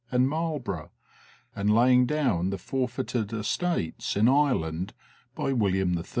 and Marlborough, and laymg down the forfeited estates in Ireland by William III.